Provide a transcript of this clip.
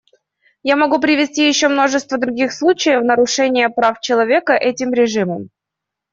Я могу привести еще множество других случаев нарушения прав человека этим режимом.